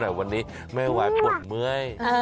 แต่วันนี้ไม่ไหวปวดเมื่อย